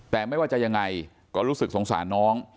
แต่ไม่ว่าจะยังไงก็รู้สึกสงสารน้อง